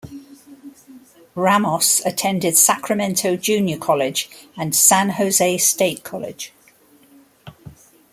Ramos attended Sacramento Junior College and San Jose State College.